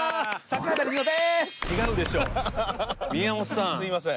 すいません。